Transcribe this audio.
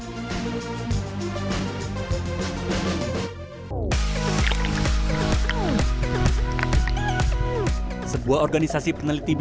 insight budesia anwar kali ini berada di kabupaten wakatobi